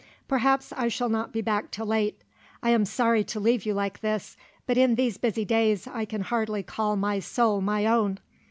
Perhaps I shall not be back till late. I am sorry to leave you like this, but in these busy days I can hardly call my soul my own."